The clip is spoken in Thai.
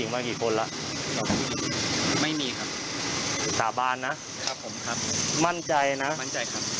มั่นใจนะมั่นใจครับ